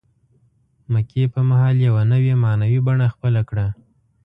مکې په مهال یوه نوې معنوي بڼه خپله کړه.